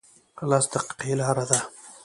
لس دقیقې لاره ده